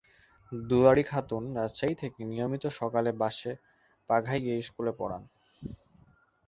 দুলারী খাতুন রাজশাহী থেকে নিয়মিত সকালে বাসে বাঘায় গিয়ে স্কুলে পড়ান।